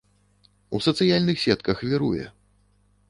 У сацыяльных сетках віруе.